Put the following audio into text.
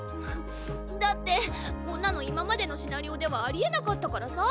だってこんなの今までのシナリオではありえなかったからさ。